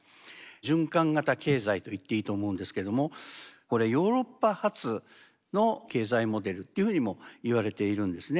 循環型経済と言っていいと思うんですけどもこれヨーロッパ発の経済モデルというふうにも言われているんですね。